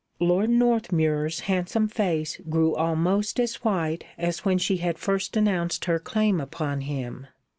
Lord Northmuir's handsome face grew almost as white as when she had first announced her claim upon him.